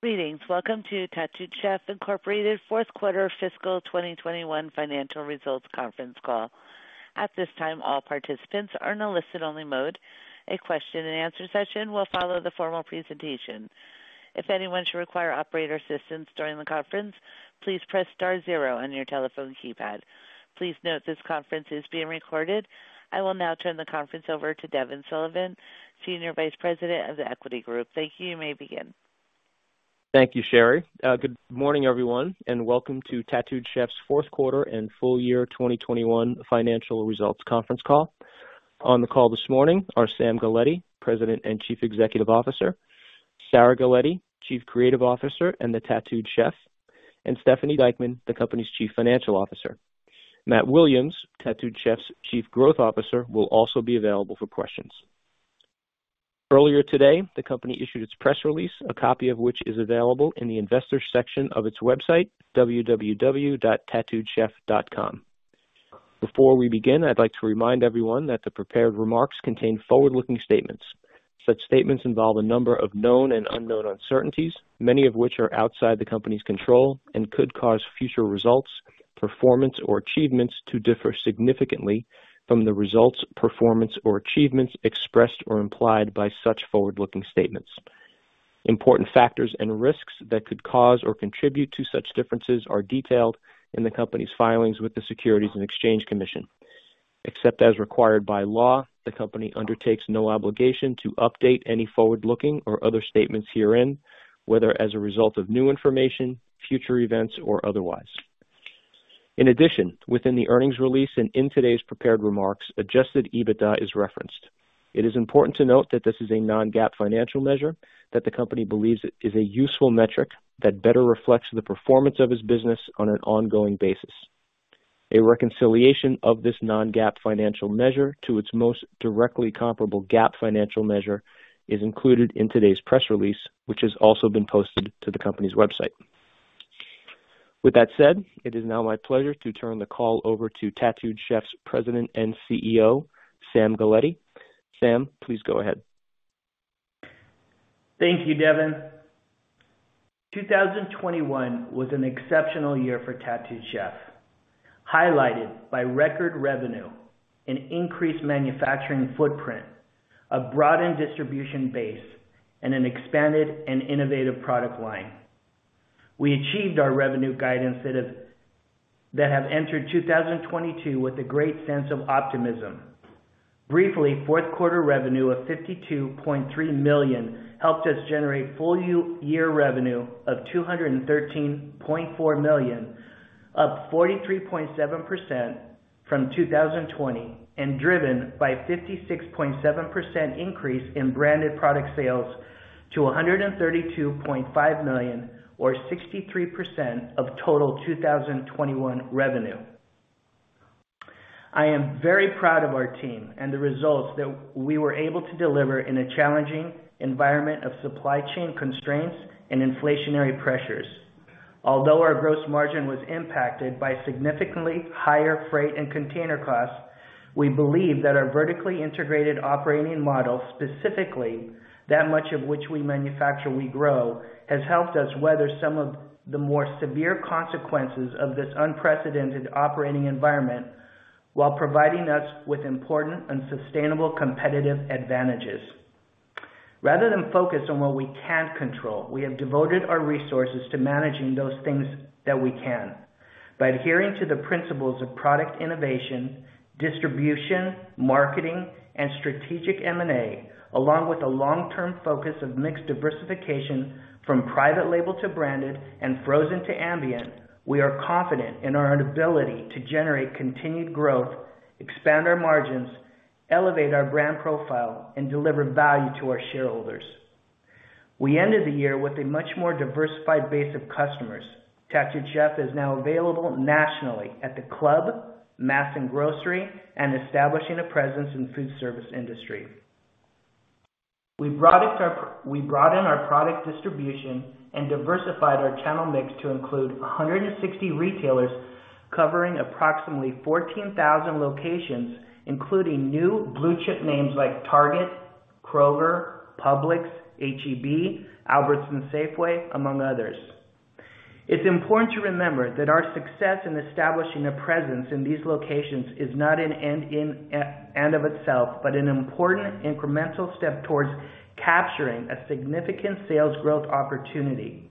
Greetings. Welcome to Tattooed Chef Incorporated Fourth Quarter Fiscal 2021 Financial Results Conference Call. At this time, all participants are in a listen-only mode. A question-and-answer session will follow the formal presentation. If anyone should require operator assistance during the conference, please press star zero on your telephone keypad. Please note this conference is being recorded. I will now turn the conference over to Devin Sullivan, Senior Vice President of The Equity Group. Thank you. You may begin. Thank you, Sherry. Good morning, everyone, and welcome to Tattooed Chef's fourth quarter and full year 2021 financial results conference call. On the call this morning are Sam Galletti, President and Chief Executive Officer. Sarah Galletti, Chief Creative Officer of Tattooed Chef, and Stephanie Dieckmann, the company's Chief Financial Officer. Matt Williams, Tattooed Chef's Chief Growth Officer, will also be available for questions. Earlier today, the company issued its press release, a copy of which is available in the investors section of its website, www.tattooedchef.com. Before we begin, I'd like to remind everyone that the prepared remarks contain forward-looking statements. Such statements involve a number of known and unknown uncertainties, many of which are outside the company's control and could cause future results, performance or achievements to differ significantly from the results, performance or achievements expressed or implied by such forward-looking statements. Important factors and risks that could cause or contribute to such differences are detailed in the company's filings with the Securities and Exchange Commission. Except as required by law, the company undertakes no obligation to update any forward-looking or other statements herein, whether as a result of new information, future events or otherwise. In addition, within the earnings release and in today's prepared remarks, Adjusted EBITDA is referenced. It is important to note that this is a non-GAAP financial measure that the company believes is a useful metric that better reflects the performance of its business on an ongoing basis. A reconciliation of this non-GAAP financial measure to its most directly comparable GAAP financial measure is included in today's press release, which has also been posted to the company's website. With that said, it is now my pleasure to turn the call over to Tattooed Chef's President and CEO, Sam Galletti. Sam, please go ahead. Thank you, Devin. 2021 was an exceptional year for Tattooed Chef, highlighted by record revenue and increased manufacturing footprint, a broadened distribution base, and an expanded and innovative product line. We achieved our revenue guidance. We have entered 2022 with a great sense of optimism. Briefly, fourth quarter revenue of $52.3 million helped us generate full year revenue of $213.4 million, up 43.7% from 2020, and driven by 56.7% increase in branded product sales to $132.5 million or 63% of total 2021 revenue. I am very proud of our team and the results that we were able to deliver in a challenging environment of supply chain constraints and inflationary pressures. Although our gross margin was impacted by significantly higher freight and container costs, we believe that our vertically integrated operating model, specifically that much of what we manufacture we grow, has helped us weather some of the more severe consequences of this unprecedented operating environment while providing us with important and sustainable competitive advantages. Rather than focus on what we can't control, we have devoted our resources to managing those things that we can by adhering to the principles of product innovation, distribution, marketing and strategic M&A, along with a long-term focus of mixed diversification from private label to branded and frozen to ambient. We are confident in our ability to generate continued growth, expand our margins, elevate our brand profile and deliver value to our shareholders. We ended the year with a much more diversified base of customers. Tattooed Chef is now available nationally at the club, mass and grocery, and establishing a presence in food service industry. We broaden our product distribution and diversified our channel mix to include 160 retailers covering approximately 14,000 locations, including new blue chip names like Target, Kroger, Publix, H-E-B, Albertsons, Safeway, among others. It's important to remember that our success in establishing a presence in these locations is not an end in and of itself, but an important incremental step towards capturing a significant sales growth opportunity.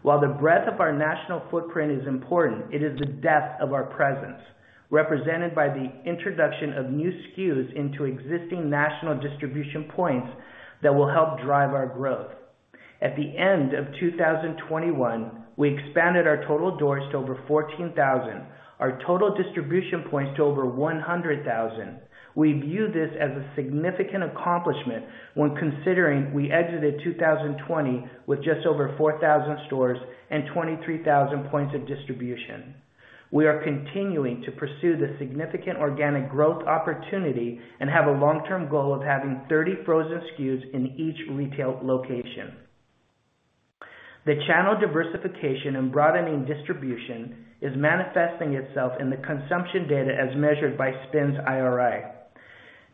While the breadth of our national footprint is important, it is the depth of our presence represented by the introduction of new SKUs into existing national distribution points that will help drive our growth. At the end of 2021, we expanded our total doors to over 14,000, our total distribution points to over 100,000. We view this as a significant accomplishment when considering we exited 2020 with just over 4,000 stores and 23,000 points of distribution. We are continuing to pursue the significant organic growth opportunity and have a long-term goal of having 30 frozen SKUs in each retail location. The channel diversification and broadening distribution is manifesting itself in the consumption data as measured by SPINS/IRI.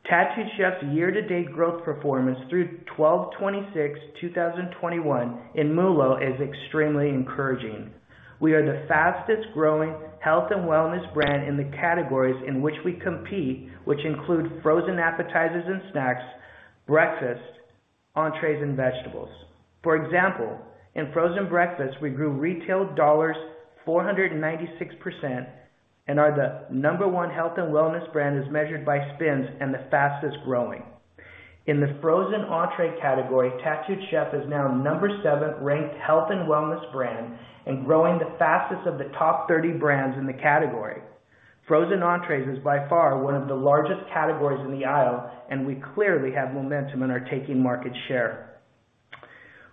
Tattooed Chef's year-to-date growth performance through 12/26/2021 in MULO is extremely encouraging. We are the fastest growing health and wellness brand in the categories in which we compete, which include frozen appetizers and snacks, breakfast, entrees, and vegetables. For example, in frozen breakfast, we grew retail dollars 496% and are the number one health and wellness brand as measured by SPINS and the fastest growing. In the frozen entree category, Tattooed Chef is now number seven ranked health and wellness brand and growing the fastest of the top 30 brands in the category. Frozen entrees is by far one of the largest categories in the aisle, and we clearly have momentum and are taking market share.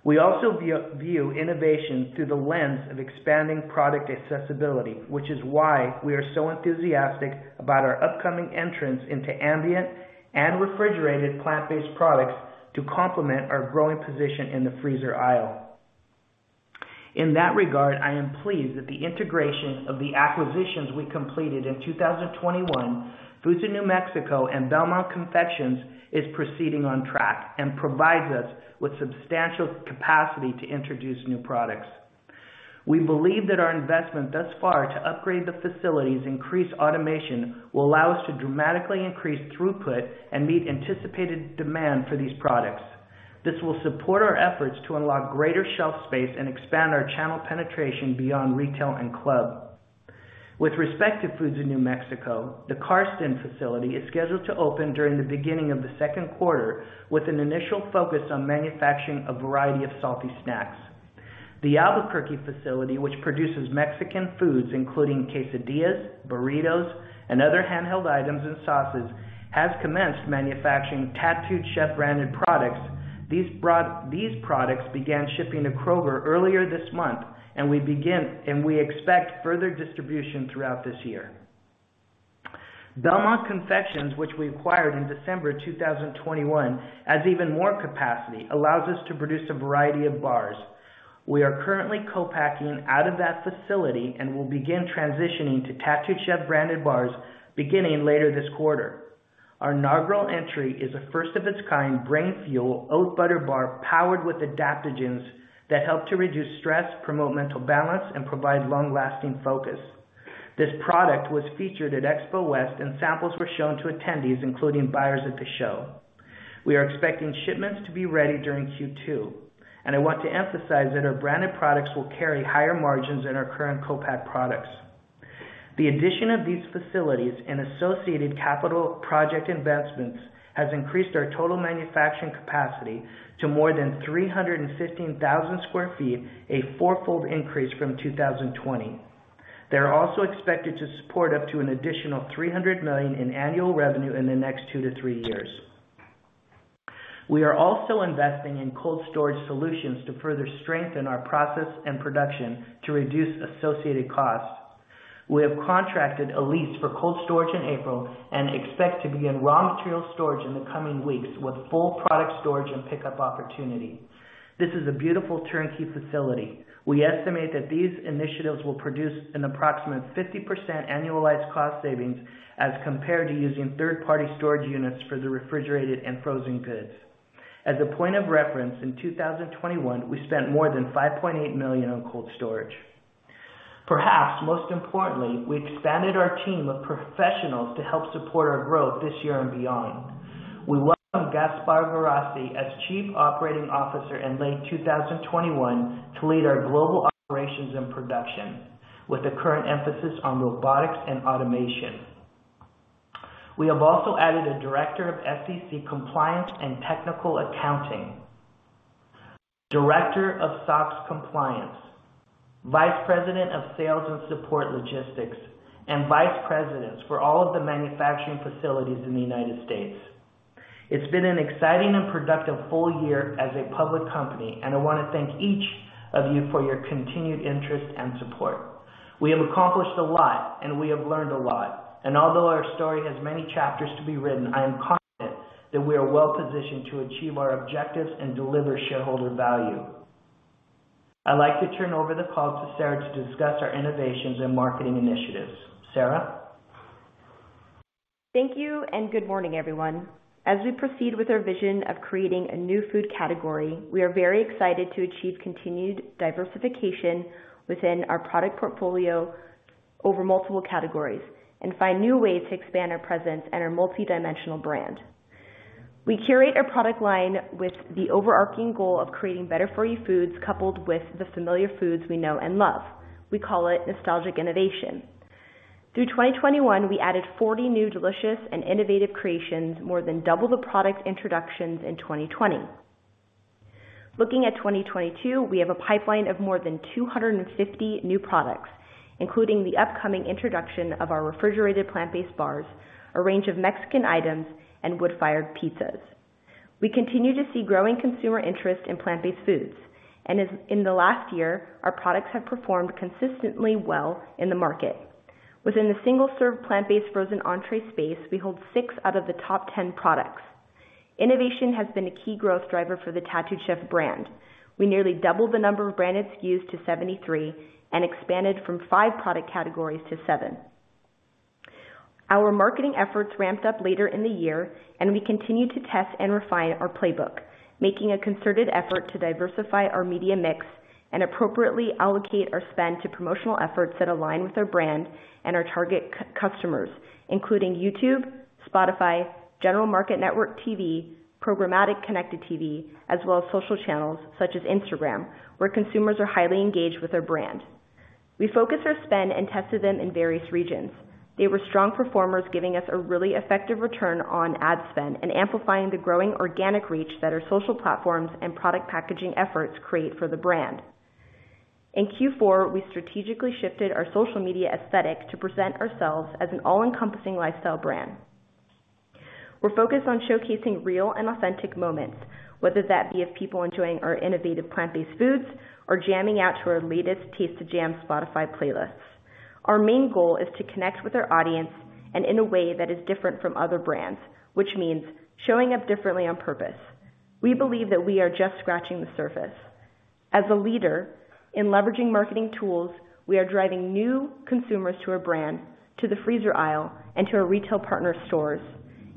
We also view innovation through the lens of expanding product accessibility, which is why we are so enthusiastic about our upcoming entry into ambient and refrigerated plant-based products to complement our growing position in the freezer aisle. In that regard, I am pleased that the integration of the acquisitions we completed in 2021, Foods of New Mexico and Belmont Confections, is proceeding on track and provides us with substantial capacity to introduce new products. We believe that our investment thus far to upgrade the facilities, increase automation, will allow us to dramatically increase throughput and meet anticipated demand for these products. This will support our efforts to unlock greater shelf space and expand our channel penetration beyond retail and club. With respect to Foods of New Mexico, the Karsten facility is scheduled to open during the beginning of the second quarter with an initial focus on manufacturing a variety of salty snacks. The Albuquerque facility, which produces Mexican foods including quesadillas, burritos, and other handheld items and sauces, has commenced manufacturing Tattooed Chef branded products. These products began shipping to Kroger earlier this month, and we expect further distribution throughout this year. Belmont Confections, which we acquired in December 2021, has even more capacity, allows us to produce a variety of bars. We are currently co-packing out of that facility and will begin transitioning to Tattooed Chef branded bars beginning later this quarter. Our inaugural entry is a first of its kind Brain Fuel Oat Butter Bar powered with adaptogens that help to reduce stress, promote mental balance, and provide long-lasting focus. This product was featured at Expo West, and samples were shown to attendees, including buyers at the show. We are expecting shipments to be ready during Q2, and I want to emphasize that our branded products will carry higher margins than our current co-pack products. The addition of these facilities and associated capital project investments has increased our total manufacturing capacity to more than 315,000 sq ft, a four-fold increase from 2020. They're also expected to support up to an additional $300 million in annual revenue in the next 2-3 years. We are also investing in cold storage solutions to further strengthen our process and production to reduce associated costs. We have contracted a lease for cold storage in April and expect to begin raw material storage in the coming weeks with full product storage and pickup opportunity. This is a beautiful turnkey facility. We estimate that these initiatives will produce an approximate 50% annualized cost savings as compared to using third-party storage units for the refrigerated and frozen goods. As a point of reference, in 2021, we spent more than $5.8 million on cold storage. Perhaps most importantly, we expanded our team of professionals to help support our growth this year and beyond. We welcomed Gaspare Guarrasi as Chief Operating Officer in late 2021 to lead our global operations and production with a current emphasis on robotics and automation. We have also added a director of SEC compliance and technical accounting, director of SOX compliance, vice president of sales and support logistics, and vice presidents for all of the manufacturing facilities in the United States. It's been an exciting and productive full year as a public company, and I wanna thank each of you for your continued interest and support. We have accomplished a lot and we have learned a lot. Although our story has many chapters to be written, I am confident that we are well-positioned to achieve our objectives and deliver shareholder value. I'd like to turn over the call to Sarah to discuss our innovations and marketing initiatives. Sarah? Thank you and good morning, everyone. As we proceed with our vision of creating a new food category, we are very excited to achieve continued diversification within our product portfolio over multiple categories and find new ways to expand our presence and our multidimensional brand. We curate our product line with the overarching goal of creating better for you foods coupled with the familiar foods we know and love. We call it nostalgic innovation. Through 2021, we added 40 new delicious and innovative creations, more than double the product introductions in 2020. Looking at 2022, we have a pipeline of more than 250 new products, including the upcoming introduction of our refrigerated plant-based bars, a range of Mexican items, and wood-fired pizzas. We continue to see growing consumer interest in plant-based foods. As in the last year, our products have performed consistently well in the market. Within the single-serve plant-based frozen entree space, we hold six out of the top 10 products. Innovation has been a key growth driver for the Tattooed Chef brand. We nearly doubled the number of branded SKUs to 73 and expanded from five product categories to seven. Our marketing efforts ramped up later in the year, and we continued to test and refine our playbook, making a concerted effort to diversify our media mix and appropriately allocate our spend to promotional efforts that align with our brand and our target customers, including YouTube, Spotify, general market network TV, programmatic connected TV, as well as social channels such as Instagram, where consumers are highly engaged with our brand. We focus our spend and tested them in various regions. They were strong performers, giving us a really effective return on ad spend and amplifying the growing organic reach that our social platforms and product packaging efforts create for the brand. In Q4, we strategically shifted our social media aesthetic to present ourselves as an all-encompassing lifestyle brand. We're focused on showcasing real and authentic moments, whether that be of people enjoying our innovative plant-based foods or jamming out to our latest Taste to Jam Spotify playlists. Our main goal is to connect with our audience in a way that is different from other brands, which means showing up differently on purpose. We believe that we are just scratching the surface. As a leader in leveraging marketing tools, we are driving new consumers to our brand, to the freezer aisle, and to our retail partner stores.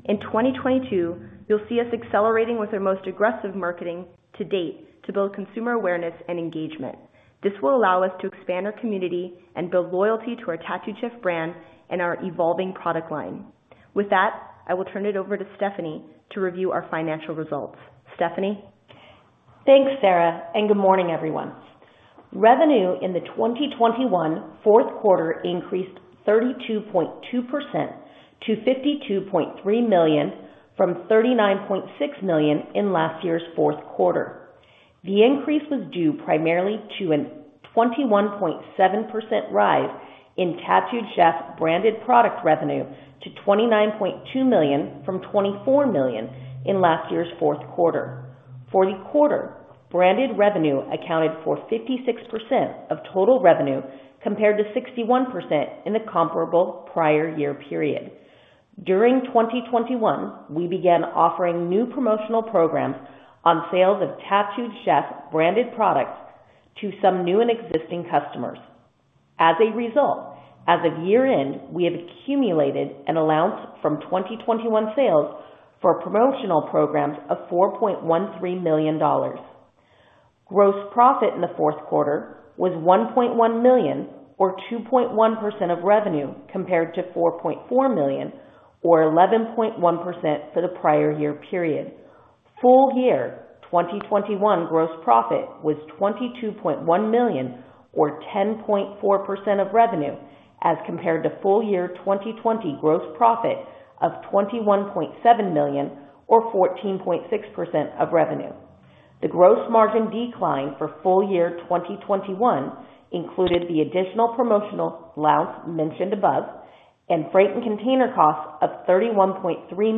In 2022, you'll see us accelerating with our most aggressive marketing to date to build consumer awareness and engagement. This will allow us to expand our community and build loyalty to our Tattooed Chef brand and our evolving product line. With that, I will turn it over to Stephanie to review our financial results. Stephanie. Thanks, Sarah, and good morning, everyone. Revenue in the 2021 fourth quarter increased 32.2% to $52.3 million from $39.6 million in last year's fourth quarter. The increase was due primarily to a 21.7% rise in Tattooed Chef branded product revenue to $29.2 million from $24 million in last year's fourth quarter. For the quarter, branded revenue accounted for 56% of total revenue, compared to 61% in the comparable prior year period. During 2021, we began offering new promotional programs on sales of Tattooed Chef branded products to some new and existing customers. As a result, as of year-end, we have accumulated an allowance from 2021 sales for promotional programs of $4.13 million. Gross profit in the fourth quarter was $1.1 million or 2.1% of revenue, compared to $4.4 million or 11.1% for the prior year period. Full year 2021 gross profit was $22.1 million or 10.4% of revenue, as compared to full year 2020 gross profit of $21.7 million or 14.6% of revenue. The gross margin decline for full year 2021 included the additional promotional allowance mentioned above and freight and container costs of $31.3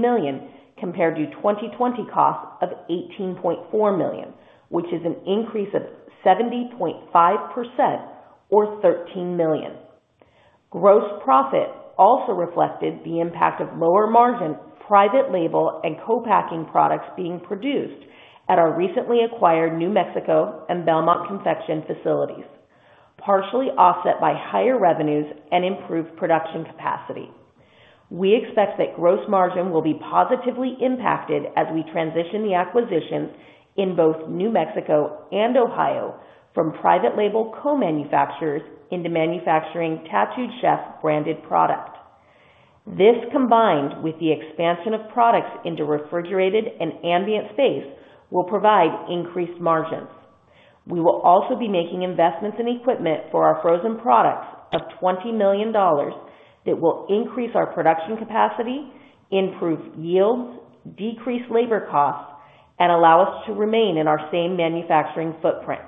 million compared to 2020 costs of $18.4 million, which is an increase of 70.5% or $13 million. Gross profit also reflected the impact of lower margin private label and co-packing products being produced at our recently acquired New Mexico and Belmont Confections facilities, partially offset by higher revenues and improved production capacity. We expect that gross margin will be positively impacted as we transition the acquisitions in both New Mexico and Ohio from private label co-manufacturers into manufacturing Tattooed Chef branded product. This, combined with the expansion of products into refrigerated and ambient space, will provide increased margins. We will also be making investments in equipment for our frozen products of $20 million that will increase our production capacity, improve yields, decrease labor costs, and allow us to remain in our same manufacturing footprint.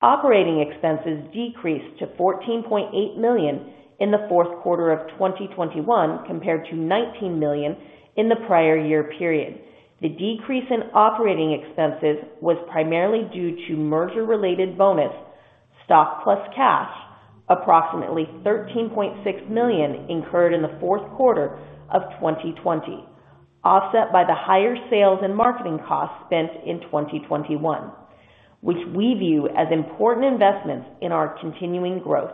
Operating expenses decreased to $14.8 million in the fourth quarter of 2021 compared to $19 million in the prior year period. The decrease in operating expenses was primarily due to merger-related bonus, stock plus cash, approximately $13.6 million incurred in the fourth quarter of 2020, offset by the higher sales and marketing costs spent in 2021, which we view as important investments in our continuing growth.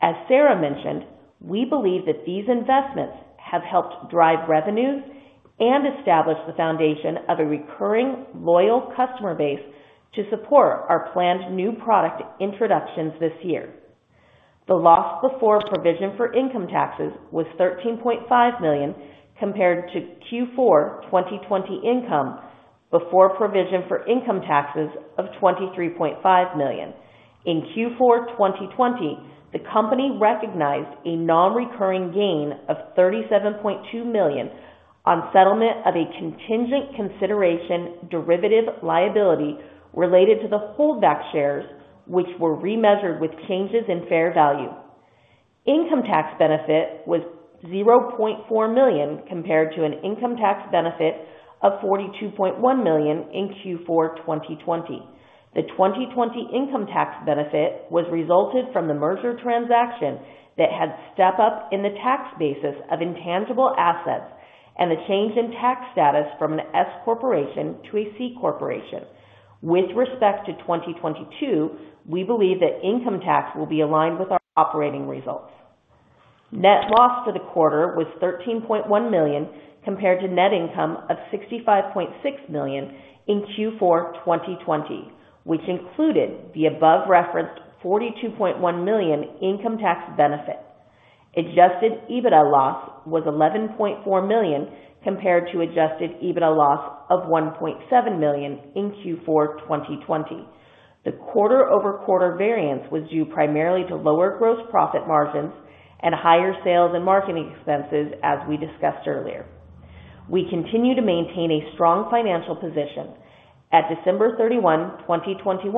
As Sarah mentioned, we believe that these investments have helped drive revenues and establish the foundation of a recurring, loyal customer base to support our planned new product introductions this year. The loss before provision for income taxes was $13.5 million compared to Q4 2020 income before provision for income taxes of $23.5 million. In Q4 2020, the company recognized a non-recurring gain of $37.2 million on settlement of a contingent consideration derivative liability related to the holdback shares, which were remeasured with changes in fair value. Income tax benefit was $0.4 million compared to an income tax benefit of $42.1 million in Q4 2020. The 2020 income tax benefit resulted from the merger transaction that had step-up in the tax basis of intangible assets and a change in tax status from an S corporation to a C corporation. With respect to 2022, we believe that income tax will be aligned with our operating results. Net loss for the quarter was $13.1 million compared to net income of $65.6 million in Q4 2020, which included the above referenced $42.1 million income tax benefit. Adjusted EBITDA loss was $11.4 million compared to Adjusted EBITDA loss of $1.7 million in Q4 2020. The quarter-over-quarter variance was due primarily to lower gross profit margins and higher sales and marketing expenses, as we discussed earlier. We continue to maintain a strong financial position. At December 31, 2021,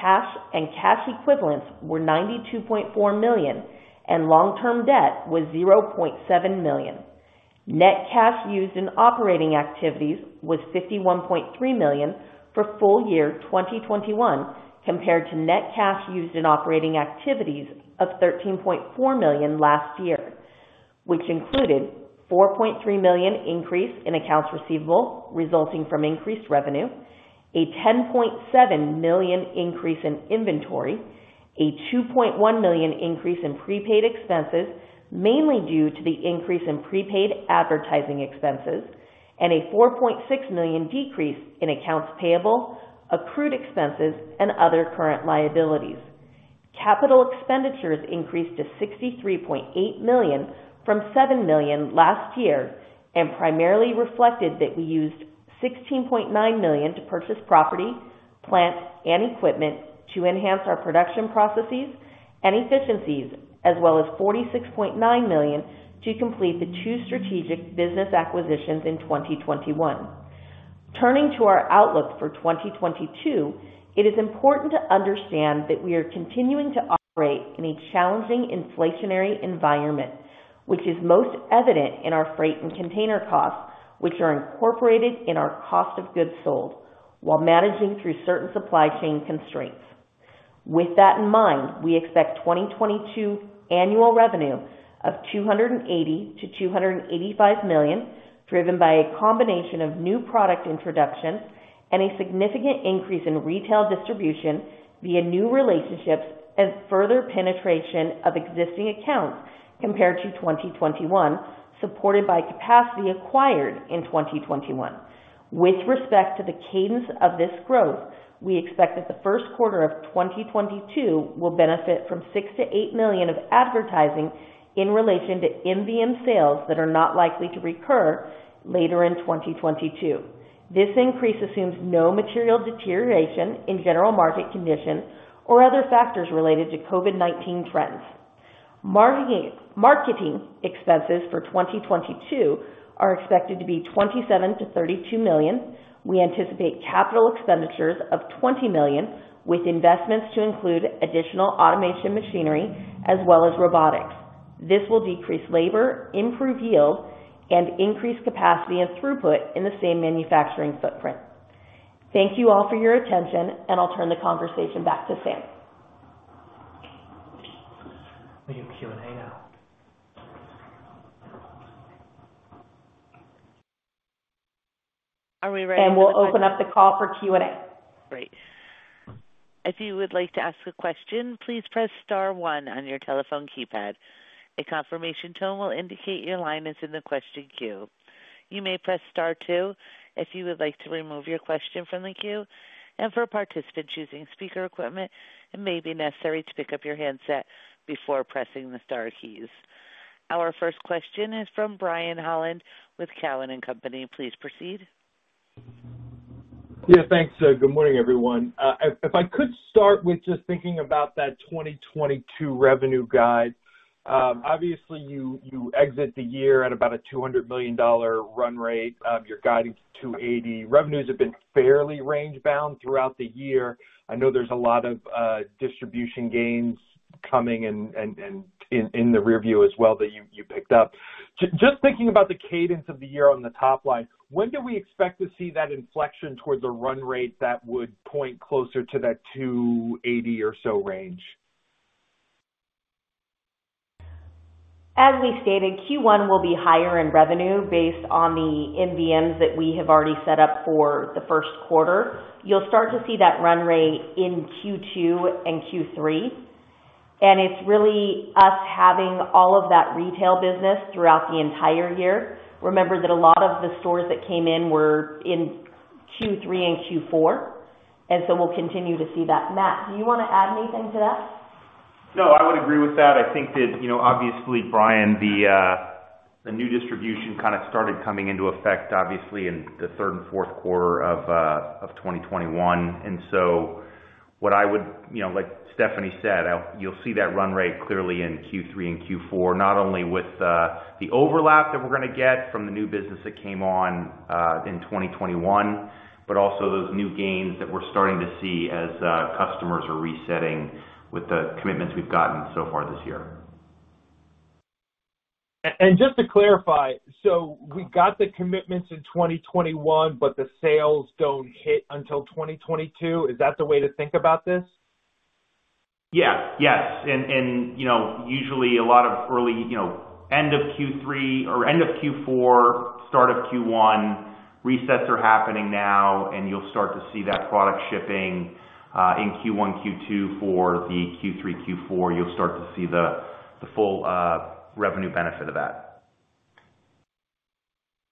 cash and cash equivalents were $92.4 million, and long-term debt was $0.7 million. Net cash used in operating activities was $51.3 million for full year 2021 compared to net cash used in operating activities of $13.4 million last year, which included $4.3 million increase in accounts receivable resulting from increased revenue, a $10.7 million increase in inventory, a $2.1 million increase in prepaid expenses, mainly due to the increase in prepaid advertising expenses, and a $4.6 million decrease in accounts payable, accrued expenses, and other current liabilities. Capital expenditures increased to $63.8 million from $7 million last year and primarily reflected that we used $16.9 million to purchase property, plant, and equipment to enhance our production processes and efficiencies, as well as $46.9 million to complete the two strategic business acquisitions in 2021. Turning to our outlook for 2022, it is important to understand that we are continuing to operate in a challenging inflationary environment, which is most evident in our freight and container costs, which are incorporated in our cost of goods sold while managing through certain supply chain constraints. With that in mind, we expect 2022 annual revenue of $280 million-$285 million, driven by a combination of new product introductions and a significant increase in retail distribution via new relationships and further penetration of existing accounts compared to 2021, supported by capacity acquired in 2021. With respect to the cadence of this growth, we expect that the first quarter of 2022 will benefit from $6 million-$8 million of advertising in relation to MVM sales that are not likely to recur later in 2022. This increase assumes no material deterioration in general market conditions or other factors related to COVID-19 trends. Marketing expenses for 2022 are expected to be $27 million-$32 million. We anticipate capital expenditures of $20 million, with investments to include additional automation machinery as well as robotics. This will decrease labor, improve yield, and increase capacity and throughput in the same manufacturing footprint. Thank you all for your attention, and I'll turn the conversation back to Sam. We do Q&A now. Are we ready? We'll open up the call for Q&A. Great. If you would like to ask a question, please press star one on your telephone keypad. A confirmation tone will indicate your line is in the question queue. You may press star two if you would like to remove your question from the queue. For participants using speaker equipment, it may be necessary to pick up your handset before pressing the star keys. Our first question is from Brian Holland with Cowen and Company. Please proceed. Yeah, thanks. Good morning, everyone. If I could start with just thinking about that 2022 revenue guide. Obviously, you exit the year at about a $200 million run rate. You're guiding to $280 million. Revenues have been fairly range-bound throughout the year. I know there's a lot of distribution gains coming and in the rearview as well that you picked up. Just thinking about the cadence of the year on the top line, when do we expect to see that inflection toward the run rate that would point closer to that $280 million or so range? As we stated, Q1 will be higher in revenue based on the MVMs that we have already set up for the first quarter. You'll start to see that run rate in Q2 and Q3, and it's really us having all of that retail business throughout the entire year. Remember that a lot of the stores that came in were in Q3 and Q4, and so we'll continue to see that. Matt, do you wanna add anything to that? No, I would agree with that. I think that, you know, obviously, Brian, the new distribution kind of started coming into effect obviously in the third and fourth quarter of 2021. What I would, you know, like Stephanie said, you'll see that run rate clearly in Q3 and Q4, not only with the overlap that we're gonna get from the new business that came on in 2021, but also those new gains that we're starting to see as customers are resetting with the commitments we've gotten so far this year. Just to clarify, so we got the commitments in 2021, but the sales don't hit until 2022. Is that the way to think about this? Yes, yes. You know, usually a lot of early, you know, end of Q3 or end of Q4, start of Q1 resets are happening now, and you'll start to see that product shipping in Q1, Q2. For the Q3, Q4, you'll start to see the full revenue benefit of that.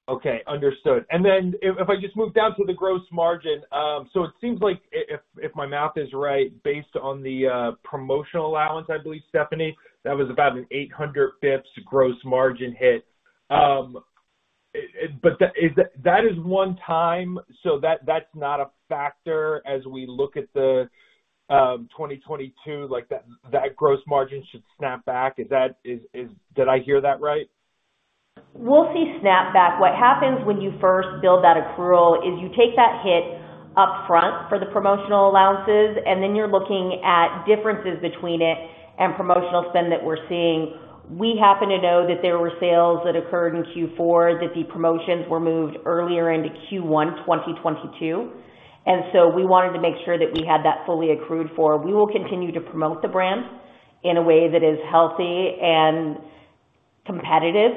Okay, understood. If I just move down to the gross margin. It seems like if my math is right, based on the promotional allowance, I believe, Stephanie, that was about an 800 basis point gross margin hit. But that is one-time, so that's not a factor as we look at the 2022, like that gross margin should snap back. Is that? Did I hear that right? We'll see snapback. What happens when you first build that accrual is you take that hit up front for the promotional allowances, and then you're looking at differences between it and promotional spend that we're seeing. We happen to know that there were sales that occurred in Q4, that the promotions were moved earlier into Q1 2022. We wanted to make sure that we had that fully accrued for. We will continue to promote the brand in a way that is healthy and competitive,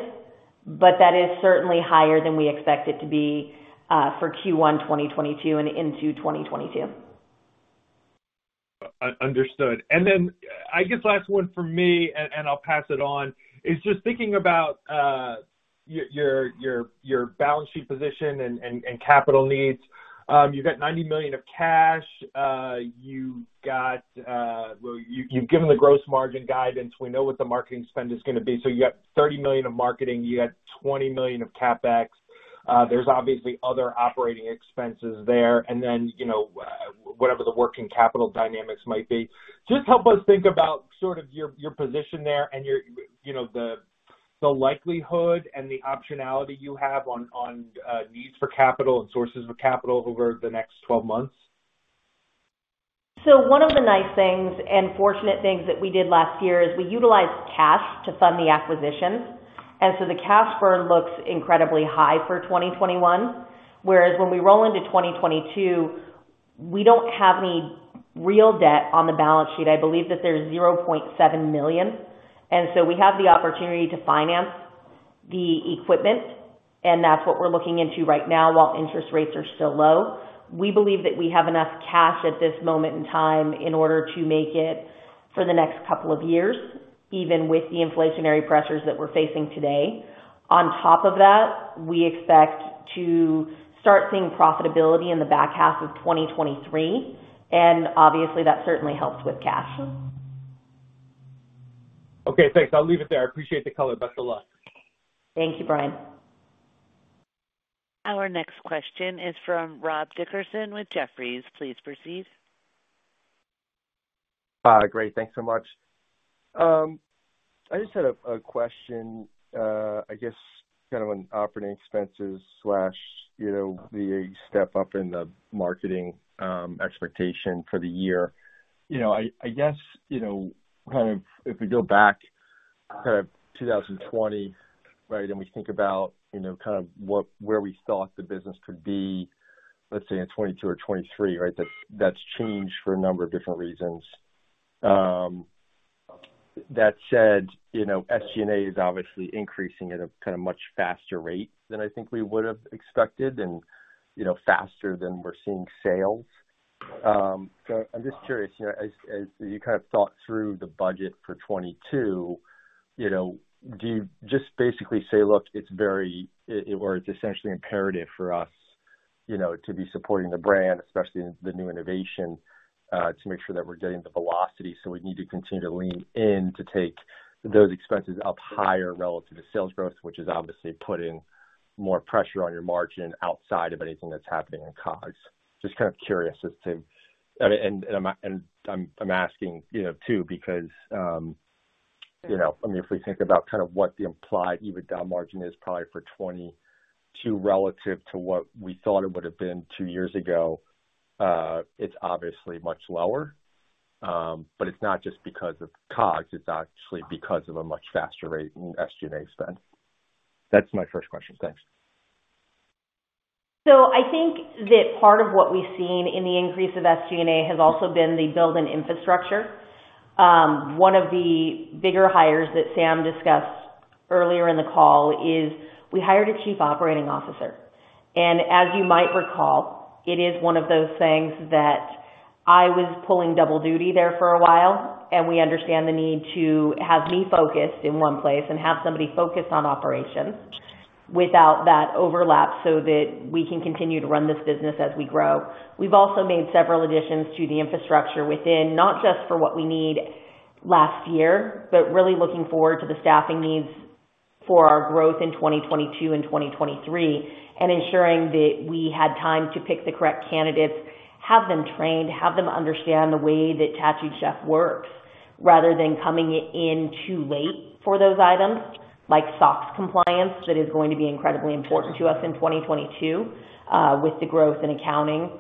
but that is certainly higher than we expect it to be for Q1 2022 and into 2022. Understood. I guess last one from me, and I'll pass it on, is just thinking about your balance sheet position and capital needs. You've got $90 million of cash. You've given the gross margin guidance. We know what the marketing spend is gonna be. You got $30 million of marketing, you got $20 million of CapEx. There's obviously other operating expenses there. You know, whatever the working capital dynamics might be. Just help us think about sort of your position there and your, you know, the likelihood and the optionality you have on needs for capital and sources of capital over the next 12 months. One of the nice things and fortunate things that we did last year is we utilized cash to fund the acquisitions. The cash burn looks incredibly high for 2021, whereas when we roll into 2022, we don't have any real debt on the balance sheet. I believe that there's $0.7 million. We have the opportunity to finance the equipment, and that's what we're looking into right now while interest rates are still low. We believe that we have enough cash at this moment in time in order to make it for the next couple of years, even with the inflationary pressures that we're facing today. On top of that, we expect to start seeing profitability in the back half of 2023, and obviously, that certainly helps with cash. Okay, thanks. I'll leave it there. I appreciate the color. Best of luck. Thank you, Brian. Our next question is from Rob Dickerson with Jefferies. Please proceed. Great. Thanks so much. I just had a question, I guess kind of on operating expenses, you know, the step up in the marketing expectation for the year. You know, I guess, you know, kind of if we go back to 2020, right? We think about, you know, kind of where we thought the business could be, let's say in 2022 or 2023, right? That's changed for a number of different reasons. That said, you know, SG&A is obviously increasing at a kinda much faster rate than I think we would've expected and, you know, faster than we're seeing sales. I'm just curious, you know, as you kind of thought through the budget for 2022, you know, do you just basically say, "Look, it's essentially imperative for us, you know, to be supporting the brand, especially in the new innovation, to make sure that we're getting the velocity, so we need to continue to lean in to take those expenses up higher relative to sales growth," which is obviously putting more pressure on your margin outside of anything that's happening in COGS. I'm asking, you know, too, because, you know, I mean, if we think about kind of what the implied EBITDA margin is probably for 2022 relative to what we thought it would've been 2 years ago, it's obviously much lower. It's not just because of COGS, it's actually because of a much faster rate in SG&A spend. That's my first question. Thanks. I think that part of what we've seen in the increase of SG&A has also been the build in infrastructure. One of the bigger hires that Sam discussed earlier in the call is we hired a Chief Operating Officer. As you might recall, it is one of those things that I was pulling double duty there for a while, and we understand the need to have me focused in one place and have somebody focused on operations without that overlap, so that we can continue to run this business as we grow. We've also made several additions to the infrastructure within, not just for what we need last year, but really looking forward to the staffing needs for our growth in 2022 and 2023, and ensuring that we had time to pick the correct candidates, have them trained, have them understand the way that Tattooed Chef works, rather than coming in too late for those items. Like SOX compliance, that is going to be incredibly important to us in 2022, with the growth in accounting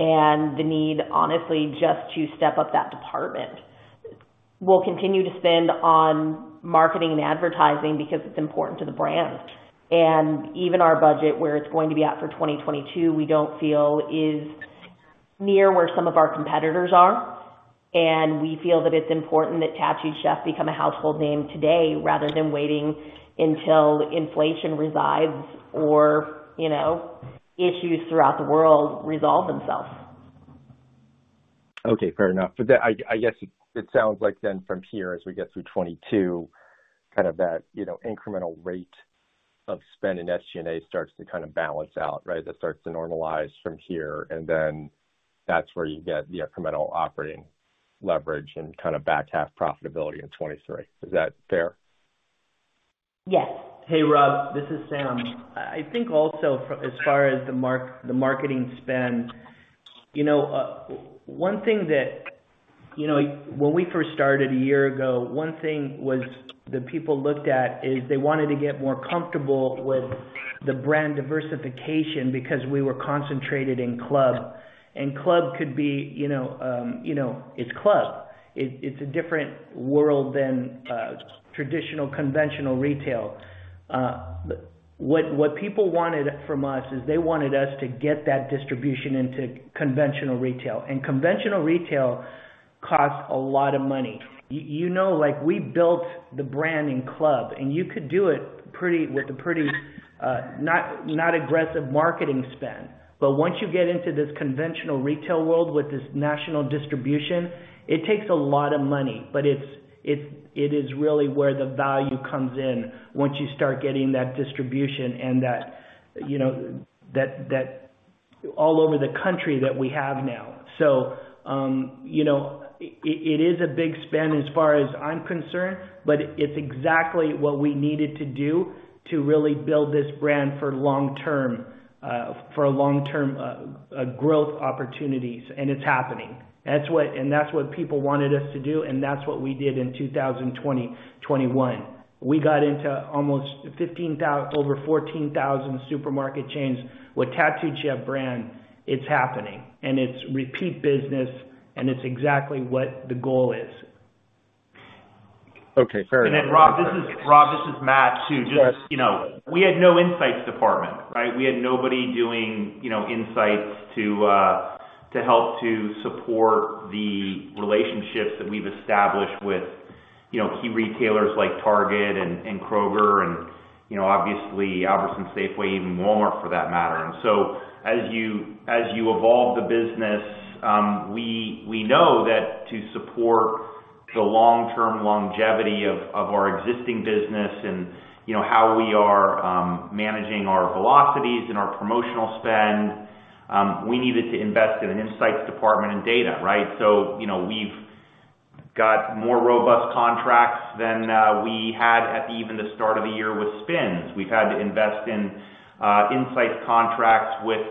and the need, honestly, just to step up that department. We'll continue to spend on marketing and advertising because it's important to the brand. Even our budget, where it's going to be at for 2022, we don't feel is near where some of our competitors are, and we feel that it's important that Tattooed Chef become a household name today, rather than waiting until inflation resides or, you know, issues throughout the world resolve themselves. Okay, fair enough. I guess it sounds like then from here, as we get through 2022, kind of that, you know, incremental rate of spend in SG&A starts to kind of balance out, right? That starts to normalize from here, and then that's where you get the incremental operating leverage and kind of back half profitability in 2023. Is that fair? Yes. Hey, Rob, this is Sam. I think also as far as the marketing spend, you know, one thing that you know, when we first started a year ago, one thing was that people looked at is they wanted to get more comfortable with the brand diversification because we were concentrated in club. Club could be, you know, it's club. It's a different world than traditional conventional retail. What people wanted from us is they wanted us to get that distribution into conventional retail. Conventional retail costs a lot of money. You know, like, we built the brand in club, and you could do it pretty with a pretty, not aggressive marketing spend. Once you get into this conventional retail world with this national distribution, it takes a lot of money. It is really where the value comes in once you start getting that distribution and that, you know, all over the country that we have now. You know, it is a big spend as far as I'm concerned, but it's exactly what we needed to do to really build this brand for long-term growth opportunities, and it's happening. That's what people wanted us to do, and that's what we did in 2020, 2021. We got into almost fifteen thou-- over 14,000 supermarket chains with Tattooed Chef brand. It's happening. It's repeat business, and it's exactly what the goal is. Okay. Fair enough. Rob, this is Matt too. Just, you know, we had no insights department, right? We had nobody doing, you know, insights to help to support the relationships that we've established with, you know, key retailers like Target and Kroger and, you know, obviously Albertsons, Safeway, even Walmart for that matter. As you evolve the business, we know that to support the long-term longevity of our existing business and, you know, how we are managing our velocities and our promotional spend, we needed to invest in an insights department and data, right? You know, we've got more robust contracts than we had at even the start of the year with SPINS. We've had to invest in insights contracts with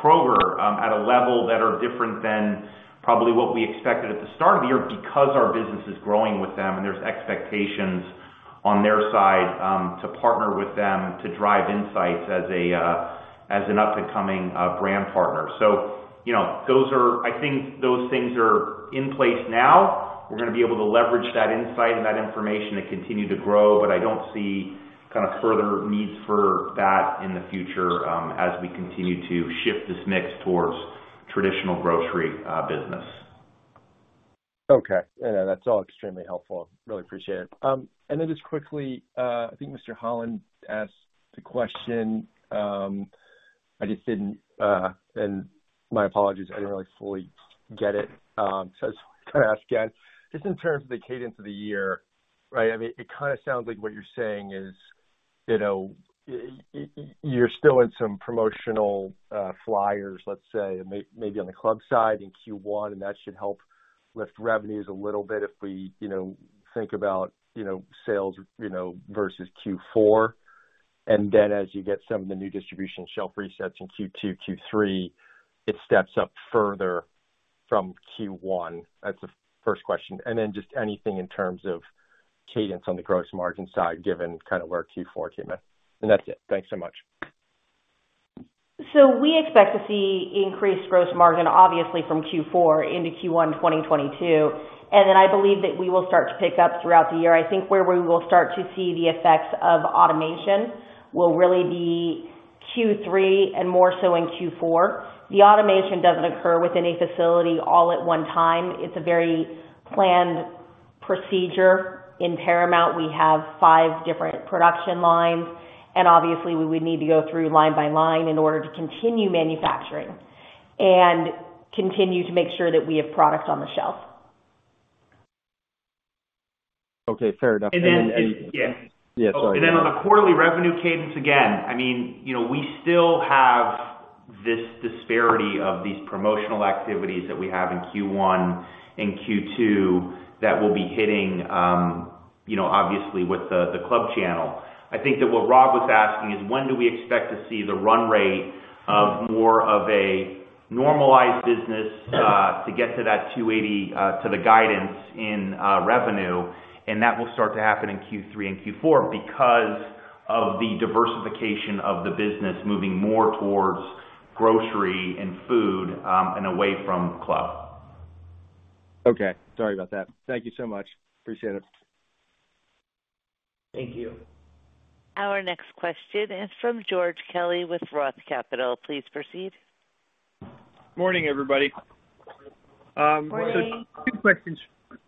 Kroger at a level that are different than probably what we expected at the start of the year because our business is growing with them and there's expectations on their side to partner with them to drive insights as an up-and-coming brand partner. You know, I think those things are in place now. We're gonna be able to leverage that insight and that information and continue to grow, but I don't see kind of further needs for that in the future as we continue to shift this mix towards traditional grocery business. Okay. Yeah, that's all extremely helpful. Really appreciate it. Then just quickly, I think Mr. Holland asked a question. I just didn't. My apologies, I didn't really fully get it, so I was gonna ask again. Just in terms of the cadence of the year, right? I mean, it kinda sounds like what you're saying is, you know, you're still in some promotional flyers, let's say, maybe on the club side in Q1, and that should help lift revenues a little bit if we, you know, think about, you know, sales, you know, versus Q4. Then as you get some of the new distribution shelf resets in Q2, Q3, it steps up further from Q1. That's the first question. Then just anything in terms of cadence on the gross margin side, given kind of where Q4 came in. That's it. Thanks so much. We expect to see increased gross margin, obviously from Q4 into Q1, 2022. Then I believe that we will start to pick up throughout the year. I think where we will start to see the effects of automation will really be Q3 and more so in Q4. The automation doesn't occur within a facility all at one time. It's a very planned procedure. In Paramount, we have 5 different production lines, and obviously we would need to go through line by line in order to continue manufacturing and continue to make sure that we have product on the shelf. Okay, fair enough. Yeah. Yeah, sorry. Go ahead. Then on the quarterly revenue cadence, again, I mean, you know, we still have this disparity of these promotional activities that we have in Q1 and Q2 that will be hitting, you know, obviously with the club channel. I think that what Rob was asking is, when do we expect to see the run rate of more of a normalized business, to get to that $280, to the guidance in revenue. That will start to happen in Q3 and Q4 because of the diversification of the business moving more towards grocery and food, and away from club. Okay. Sorry about that. Thank you so much. Appreciate it. Thank you. Our next question is from George Kelly with Roth Capital. Please proceed. Morning, everybody.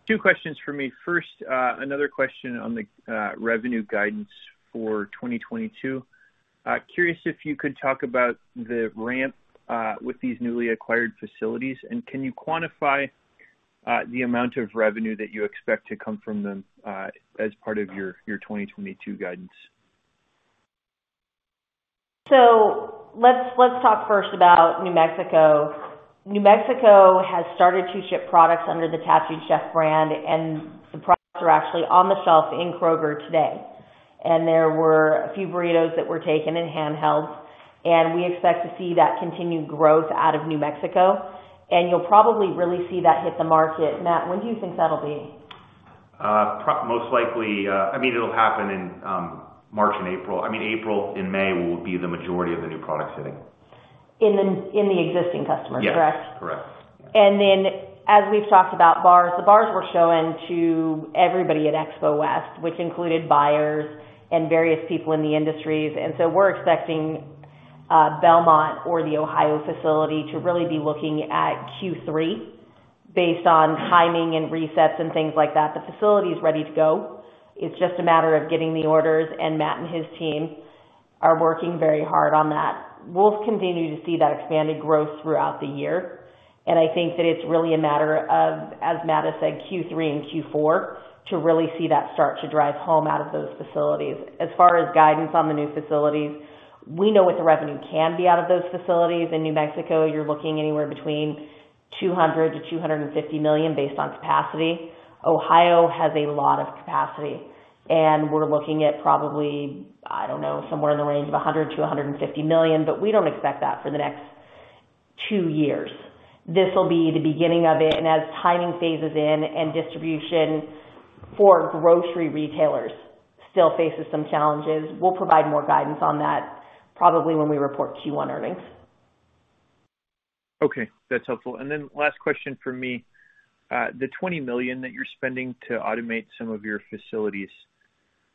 Two questions for me. First, another question on the revenue guidance for 2022. Curious if you could talk about the ramp with these newly acquired facilities. Can you quantify the amount of revenue that you expect to come from them as part of your 2022 guidance? Let's talk first about New Mexico. New Mexico has started to ship products under the Tattooed Chef brand, and the products are actually on the shelf in Kroger today. There were a few burritos that were taken and handhelds, and we expect to see that continued growth out of New Mexico. You'll probably really see that hit the market. Matt, when do you think that'll be? Most likely, it'll happen in March and April. I mean, April and May will be the majority of the new products hitting. In the existing customers, correct? Yes. Correct. As we've talked about bars, the bars were shown to everybody at Expo West, which included buyers and various people in the industries. We're expecting Belmont or the Ohio facility to really be looking at Q3 based on timing and resets and things like that. The facility is ready to go. It's just a matter of getting the orders, and Matt and his team are working very hard on that. We'll continue to see that expanded growth throughout the year, and I think that it's really a matter of, as Matt has said, Q3 and Q4 to really see that start to drive home out of those facilities. As far as guidance on the new facilities, we know what the revenue can be out of those facilities. In New Mexico, you're looking anywhere between $200 million-$250 million based on capacity. Ohio has a lot of capacity, and we're looking at probably, I don't know, somewhere in the range of $100 million-$150 million, but we don't expect that for the next two years. This will be the beginning of it. As timing phases in and distribution for grocery retailers still faces some challenges, we'll provide more guidance on that probably when we report Q1 earnings. Okay, that's helpful. Last question for me. The $20 million that you're spending to automate some of your facilities,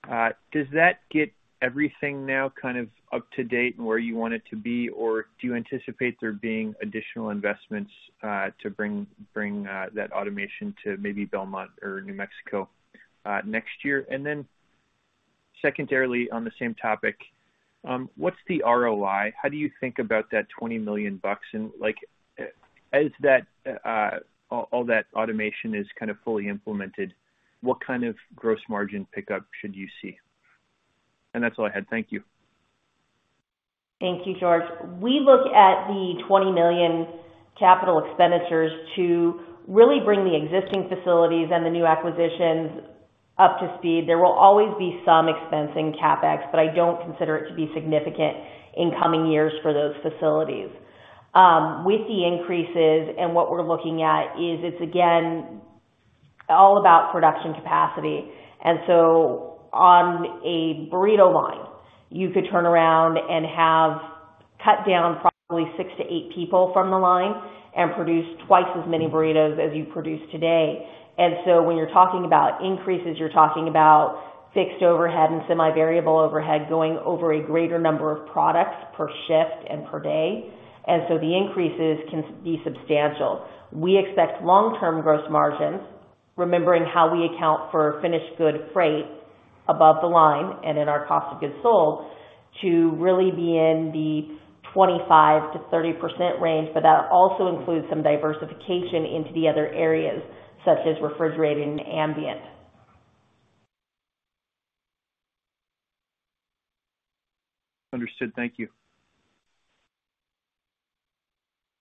does that get everything now kind of up to date and where you want it to be? Or do you anticipate there being additional investments to bring that automation to maybe Belmont or New Mexico next year? Secondarily, on the same topic, what's the ROI? How do you think about that $20 million bucks and as all that automation is kind of fully implemented, what kind of gross margin pickup should you see? That's all I had. Thank you. Thank you, George. We look at the $20 million capital expenditures to really bring the existing facilities and the new acquisitions up to speed. There will always be some expense in CapEx, but I don't consider it to be significant in coming years for those facilities. With the increases and what we're looking at is it's again all about production capacity. On a burrito line, you could turn around and have cut down probably 6-8 people from the line and produce twice as many burritos as you produce today. When you're talking about increases, you're talking about fixed overhead and semi-variable overhead going over a greater number of products per shift and per day. The increases can be substantial. We expect long-term gross margins, remembering how we account for finished good freight above the line and in our cost of goods sold, to really be in the 25%-30% range. That also includes some diversification into the other areas, such as refrigerated and ambient. Understood. Thank you.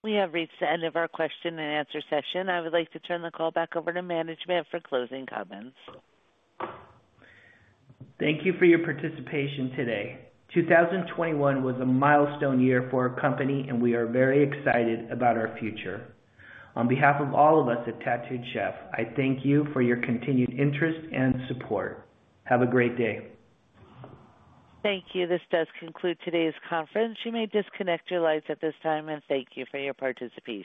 We have reached the end of our question and answer session. I would like to turn the call back over to management for closing comments. Thank you for your participation today. 2021 was a milestone year for our company, and we are very excited about our future. On behalf of all of us at Tattooed Chef, I thank you for your continued interest and support. Have a great day. Thank you. This does conclude today's conference. You may disconnect your lines at this time, and thank you for your participation.